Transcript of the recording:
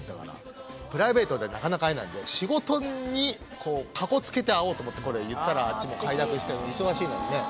プライベートでなかなか会えないんで仕事にかこつけて会おうと思ってこれ言ったらあっちも快諾して忙しいのにね。